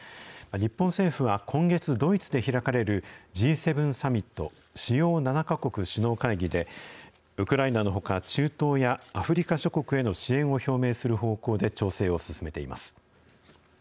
日本政府は今月、ドイツで開かれるＧ７サミット・主要７か国首脳会議で、ウクライナのほか、中東やアフリカ諸国への支援を表明する方向で調整を進めています。